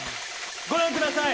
ごらんください。